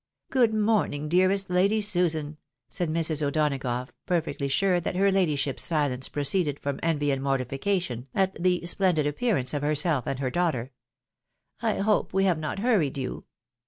" Good morning, dearest Lady Susan !" said Mrs. O'Dona gough, perfectly sure that her ladyship's silence proceeded from envy and mortification at the splendid appearance of herself and her daughter ;" I hope we have not hurried you?